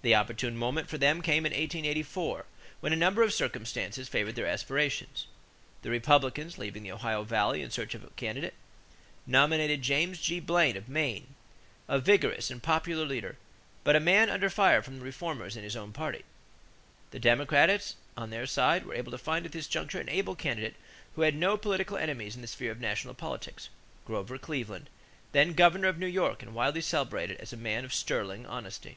The opportune moment for them came in 1884 when a number of circumstances favored their aspirations. The Republicans, leaving the Ohio Valley in their search for a candidate, nominated James G. Blaine of Maine, a vigorous and popular leader but a man under fire from the reformers in his own party. The Democrats on their side were able to find at this juncture an able candidate who had no political enemies in the sphere of national politics, Grover Cleveland, then governor of New York and widely celebrated as a man of "sterling honesty."